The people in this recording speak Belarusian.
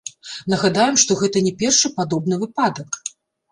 Нагадаем, што гэта не першы падобны выпадак.